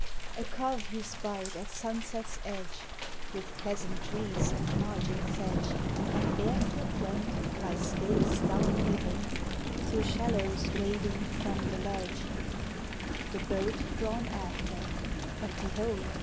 A cove he spied at sunset's edge, With pleasant trees and margin sedge; And barefoot went by stakes down driven Thro' shallows wading from the ledge, The boat drawn after; but behold!